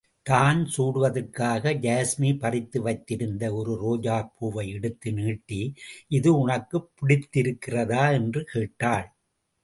தான் சூடுவதற்காக யாஸ்மி பறித்து வைத்திருந்த ஒரு ரோஜாப்பூவை எடுத்து நீட்டி, இது உனக்குப் பிடித்திருக்கிறதா? என்று கேட்டாள்.